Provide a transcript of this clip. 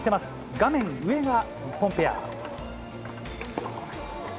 画面上が日本ペア。